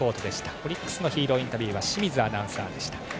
オリックスのヒーローインタビューは清水アナウンサーでした。